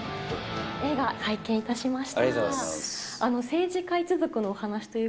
映画、拝見いたしました。